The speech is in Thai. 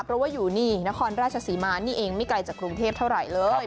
เพราะว่าอยู่นี่นครราชศรีมานี่เองไม่ไกลจากกรุงเทพเท่าไหร่เลย